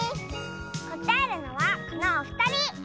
こたえるのはこのおふたり！